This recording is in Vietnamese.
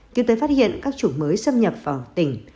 tiến tới phát hiện các chủng mới xâm nhập vào tỉnh